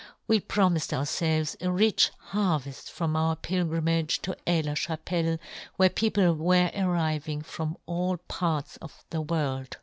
We pro " mifed ourfelves a rich harveft from " our pilgrimage to Aix la Chapelle, " where people were arriving from " all parts of the world.